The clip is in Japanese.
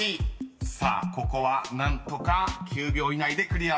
［さあここは何とか９秒以内でクリアしたいところ］